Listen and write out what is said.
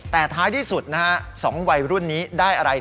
แต่ท้ายที่สุดนะฮะ๒วัยรุ่นนี้ได้อะไร